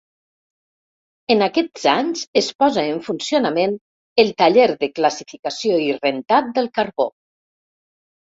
En aquests anys es posa en funcionament el taller de classificació i rentat del carbó.